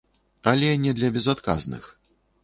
Але не для безадказных.